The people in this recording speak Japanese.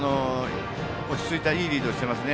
落ち着いたいいリードをしていますね。